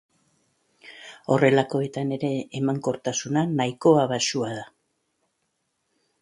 Horrelakoetan ere emankortasuna nahikoa baxua da.